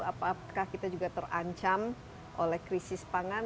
apakah kita juga terancam oleh krisis pangan